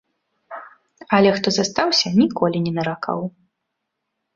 Але хто застаўся, ніколі не наракаў.